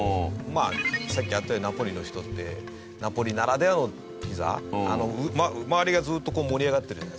さっきあったようにナポリの人ってナポリならではのピザ周りがずーっとこう盛り上がってるじゃないですか。